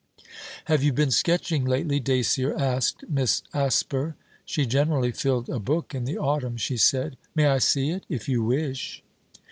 'Have you been sketching lately?' Dacier asked Miss Asper. She generally filled a book in the autumn, she said. 'May I see it?' 'If you wish.'